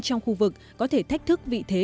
trong khu vực có thể thách thức vị thế